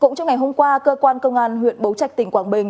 cũng trong ngày hôm qua cơ quan công an huyện bố trạch tỉnh quảng bình